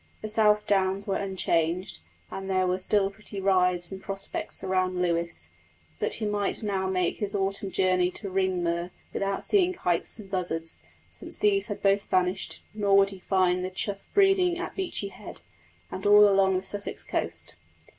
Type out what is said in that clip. The South Downs were unchanged, and there were still pretty rides and prospects round Lewes; but he might now make his autumn journey to Ringmer without seeing kites and buzzards, since these had both vanished; nor would he find the chough breeding at Beachy Head, and all along the Sussex coast.